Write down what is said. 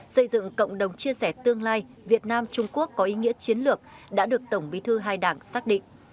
xây dựng cộng đồng chia sẻ tương lai việt nam trung quốc có ý nghĩa chiến lược đã được tổng bí thư hai đảng xác định